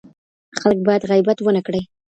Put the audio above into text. خلګ بايد غيبت ونه کړي.